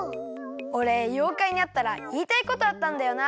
おれようかいにあったらいいたいことあったんだよな。